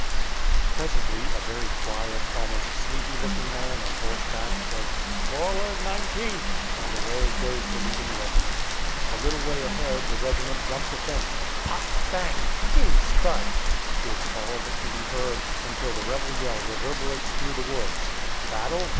Presently a very quiet, almost sleepy looking man on horseback, says, "Forward, 19th!" and away goes the leading regiment. A little way ahead the regiment jumps a fence, and pop! bang! whiz! thud! is all that can be heard, until the rebel yell reverberates through the woods. Battle?